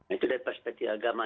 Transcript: itu dari perspektif agama